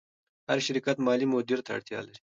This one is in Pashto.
هر شرکت مالي مدیر ته اړتیا لري.